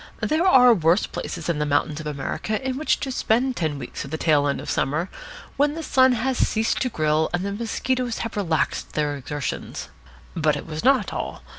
There are worse places than the mountains of America in which to spend ten weeks of the tail end of summer, when the sun has ceased to grill and the mosquitoes have relaxed their exertions. But it was not all.